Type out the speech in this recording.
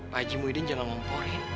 pak haji muhydin jangan ngomporin